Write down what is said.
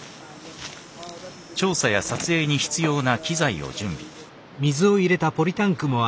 調査や撮影に必要な機材を準備。